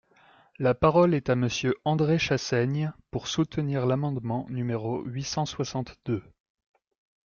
La parole est à Monsieur André Chassaigne, pour soutenir l’amendement numéro huit cent soixante-deux.